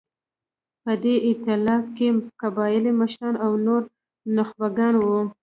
په دې اېتلاف کې قبایلي مشران او نور نخبګان وو.